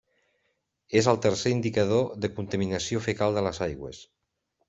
És el tercer indicador de contaminació fecal de les aigües.